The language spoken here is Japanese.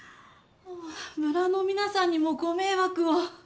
村の皆さんにもご迷惑を。